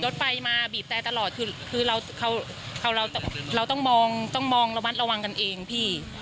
รถไฟมาบีบแต่ตลอดคือเราต้องมองต้องมองระมัดระวังกันเองพี่